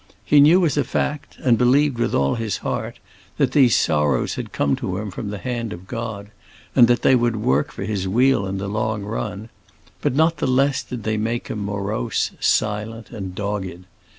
He knew as a fact, and believed with all his heart, that these sorrows had come to him from the hand of God, and that they would work for his weal in the long run; but not the less did they make him morose, silent, and dogged.